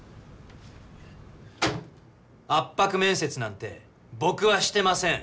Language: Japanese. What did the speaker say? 圧迫面接なんて僕はしてません。